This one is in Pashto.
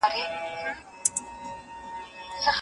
وطن دي تل آباد وي.